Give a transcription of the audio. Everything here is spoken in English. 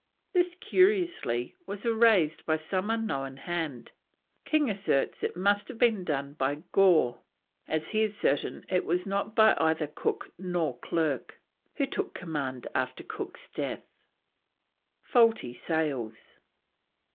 This, curiously, was erased by some unknown hand; King asserts it must have been done by Gore, as he is certain it was not by either Cook or Clerke, who took command after Cook's death. FAULTY SAILS.